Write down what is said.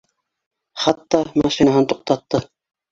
Хатта машинаһын туҡтатты